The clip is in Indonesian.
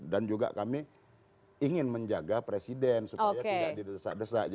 dan juga kami ingin menjaga presiden supaya tidak didesak desak